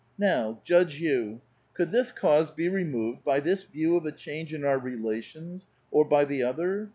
Now, judge you : could this cause l)e removed by this view of a change in our relations, or by the other.